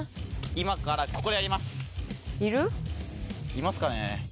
いますかね？